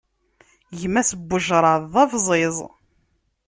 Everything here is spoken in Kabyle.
Gma-s,n ujṛad d abẓiẓ.